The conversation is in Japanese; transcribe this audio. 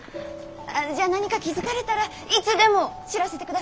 じゃ何か気付かれたらいつでも知らせてください。